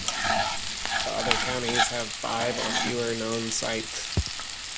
The other counties have five or fewer known sites.